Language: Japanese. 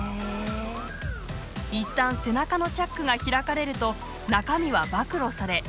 一旦背中のチャックが開かれると中身は暴露され全てが喜劇に変わる。